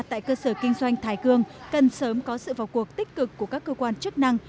tại cơ sở kinh doanh thái cương cần sớm có sự vào cuộc tích cực của các cơ quan chức năng